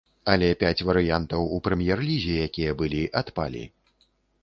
Але пяць варыянтаў у прэм'ер-лізе, якія былі, адпалі.